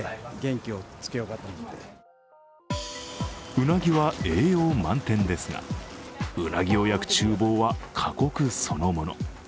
うなぎは栄養満点ですがうなぎを焼くちゅう房は過酷そのもの。